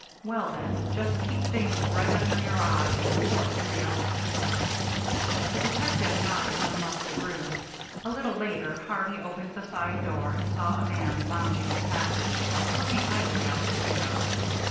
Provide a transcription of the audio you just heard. "Well, then, just keep things right under your eye, and report every hour or so." The detective nodded and left the room. A little later Harvey opened the side door, and saw a man lounging in the passage, looking idly out the window.